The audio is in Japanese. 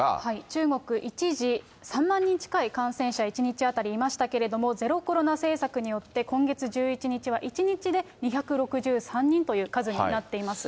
中国、一時、３万人近い感染者、１日当たりいましたけれども、ゼロコロナ政策によって、今月１１日は１日で２６３人という数になっています。